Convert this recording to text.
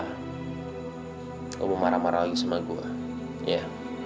lu mau marah marah lagi sama gua ya